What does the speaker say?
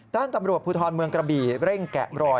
ด้านตำรวจภูทรเมืองกระบี่เร่งแกะรอย